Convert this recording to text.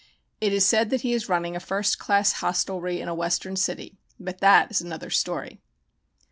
It is said that he is running a first class hostelry in a Western city. But that is another story.